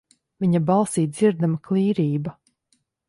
Viņa balsī dzirdama klīrība.